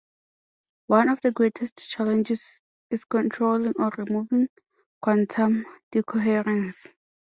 One of the greatest challenges is controlling or removing quantum decoherence.